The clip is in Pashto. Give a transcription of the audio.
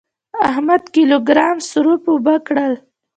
احمد کيلو ګرام سروپ اوبه کړل.